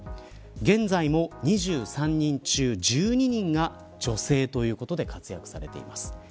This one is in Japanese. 現在も２３人中１２人が女性ということで活躍されています。